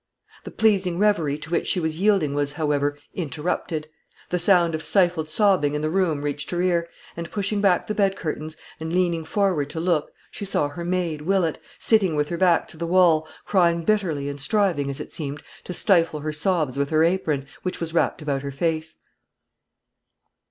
The pleasing reverie to which she was yielding was, however, interrupted. The sound of stifled sobbing in the room reached her ear, and, pushing back the bed curtains, and leaning forward to look, she saw her maid, Willett, sitting with her back to the wall, crying bitterly, and striving, as it seemed, to stifle her sobs with her apron, which was wrapped about her face.